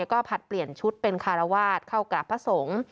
ก็ผลัดเปลี่ยนชุดเป็นคารวาสเข้ากราบพระสงฆ์